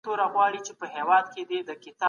حضوري زده کړه د ښوونکي مستقيم ملاتړ ترلاسه کړی دی.